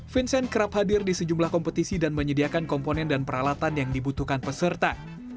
vincent kerap hadir di sejumlah kompetisi dan menyediakan komponen dan peralatan yang dibutuhkan peserta